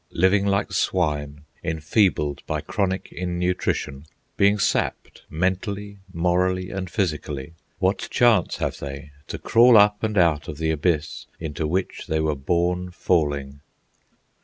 Living like swine, enfeebled by chronic innutrition, being sapped mentally, morally, and physically, what chance have they to crawl up and out of the Abyss into which they were born falling?